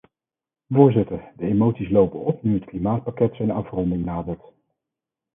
Voorzitter, de emoties lopen op nu het klimaatpakket zijn afronding nadert.